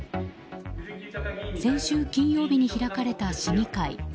先週金曜日に開かれた市議会。